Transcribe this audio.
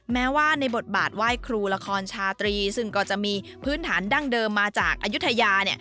แม้ว่าในบทบาทไหว้ครูละครชาตรีซึ่งก็จะมีพื้นฐานดั้งเดิมมาจากอายุทยา